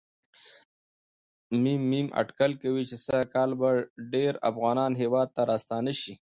م.م اټکل کوي چې سږ کال به ډېر افغانان هېواد ته راستانه شي.